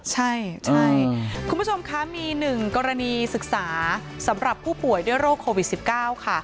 ใช่ใช่คุณผู้ชมคะมีหนึ่งกรณีศึกษาสำหรับผู้ป่วยด้วยโรคโควิด๑๙ค่ะ